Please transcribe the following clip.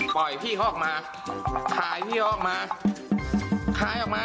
ปล่อยพี่เขาออกมาขายพี่เขาออกมาขายออกมา